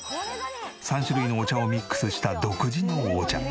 ３種類のお茶をミックスした独自のお茶。